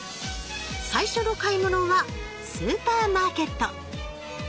最初の買い物はスーパーマーケット。